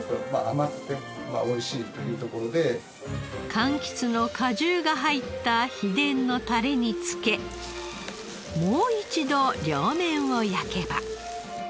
柑橘の果汁が入った秘伝のタレにつけもう一度両面を焼けば。